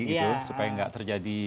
gitu supaya gak terjadi